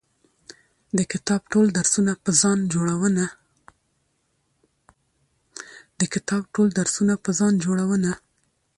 د کتاب ټول درسونه په ځان جوړونه